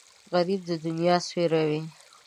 غریب د دنیا سیوری وي